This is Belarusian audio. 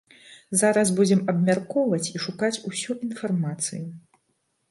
Зараз будзем абмяркоўваць і шукаць усю інфармацыю.